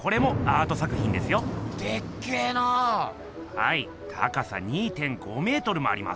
はい高さ２．５メートルもあります。